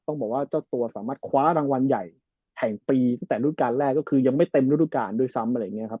ต้องบอกว่าเจ้าตัวสามารถคว้ารางวัลใหญ่แห่งปีตั้งแต่รุ่นการแรกก็คือยังไม่เต็มฤดูการด้วยซ้ำอะไรอย่างนี้ครับ